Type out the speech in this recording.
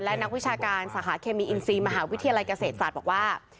และนักวิชาการสาขาเคมีอินซีมหาวิทยาลัยเกษตรศาสตร์บอกว่า